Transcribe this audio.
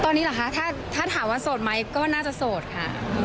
ตอนนี้เหรอคะถ้าถามว่าโสดไหมก็น่าจะโสดค่ะ